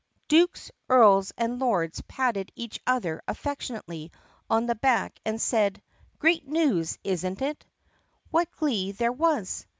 Dukes, earls, and lords patted each other affectionately on the back and said, "Great news, is n't it*?" What glee there was!